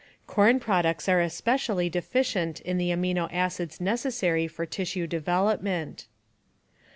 Corn products are especially deficient in the amino acids necessary for tissue development.